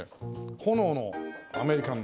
炎のアメリカンの。